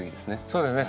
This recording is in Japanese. そうですね。